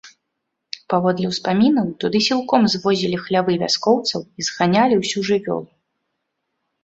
Паводле ўспамінаў, туды сілком звозілі хлявы вяскоўцаў і зганялі ўсю жывёлу.